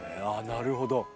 なるほど。